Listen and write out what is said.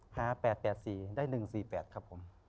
๘๘๔ได้๑๔๘ครับผม